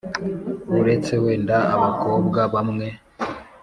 Uretse wenda abakobwa bamwe